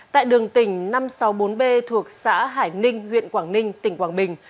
tại đường tỉnh năm trăm sáu mươi bốn b thuộc xã hải ninh huyện quảng ninh tỉnh quảng bình